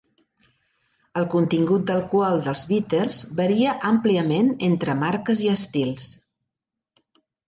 El contingut d'alcohol dels bíters varia àmpliament entre marques i estils.